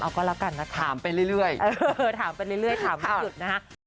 เอาก็แล้วกันนะคะถามไปเรื่อยถามมาจุดนะคะ